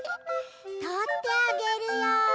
とってあげるよ。